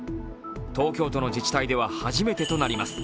東京都の自治体では初めてとなります。